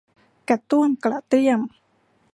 กระต้วมกระเตี้ยม